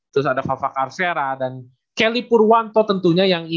terus ada fafa karsera dan kelly purwanto tentunya yang ini